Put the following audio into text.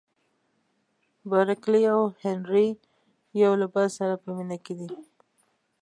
بارکلي او هنري یو له بل سره په مینه کې دي.